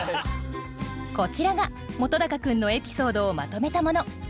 こちらが本君のエピソードをまとめたもの。